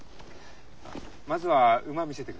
まずは馬見せてください。